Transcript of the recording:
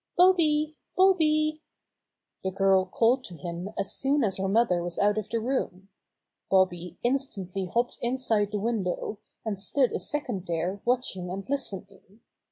"Bobby! Bobby!" The girl called to him as soon as her mother was out of the room. Bobby instantly hopped inside the window, and stood a second there watching and listening.